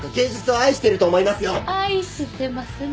愛してますね。